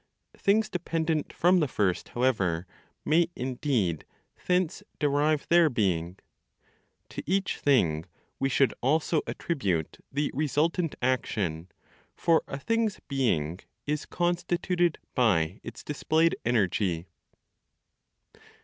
Things dependent from the first, however, may indeed thence derive their being. To each thing we should also attribute the resultant action; for a thing's being is constituted by its displayed energy.